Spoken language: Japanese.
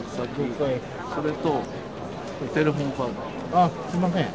ああすんません。